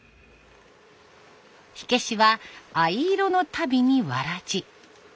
火消しは藍色の足袋にわらじ。